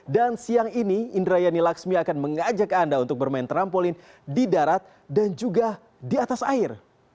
dan siang ini indrayani laksmi akan mengajak anda untuk bermain trampolin di darat dan juga di atas air